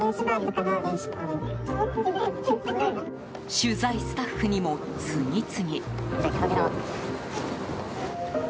取材スタッフにも次々。